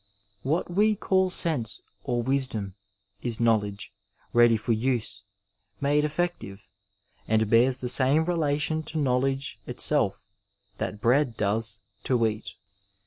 What we call sense or wisdom is knowledge, ready for use, made effective, and bears the same reUtion to know ledge itself that bread does to wheat.